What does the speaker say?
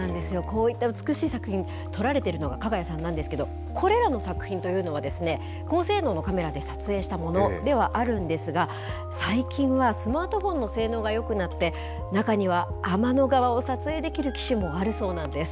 こういった美しい作品、撮られているのが、ＫＡＧＡＹＡさんなんですけど、これらの作品というのはですね、高性能のカメラで撮影したものではあるんですが、最近はスマートフォンの性能がよくなって、中には天の川を撮影できる機種もあるそうなんです。